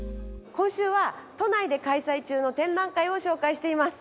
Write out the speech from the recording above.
今週は都内で開催中の展覧会を紹介しています。